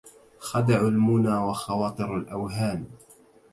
خدع المنى وخواطر الأوهام